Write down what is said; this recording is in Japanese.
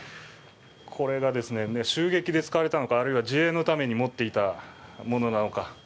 これが襲撃で使われたのかあるいは自衛のために持っていたものなのか。